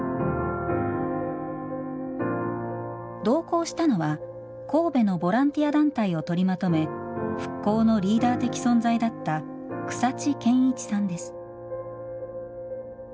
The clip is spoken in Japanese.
同行したのは神戸のボランティア団体を取りまとめ復興のリーダー的存在だった草地賢一さんです。